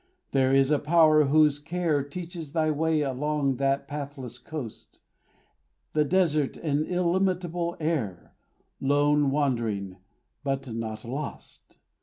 There is a Power whose care Teaches thy way along that pathless coast, The desert and illimitable air, Lone wandering, but not lost.